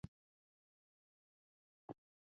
ځینې افسانې له پخوا راپاتې دي.